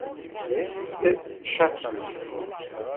Llant caṭent.